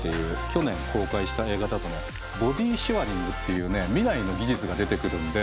去年公開した映画だとねボディシェアリングっていうね未来の技術が出てくるんで。